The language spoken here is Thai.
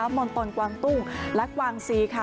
มีมุมป่นตนกวางตู้และกวางซีค่ะ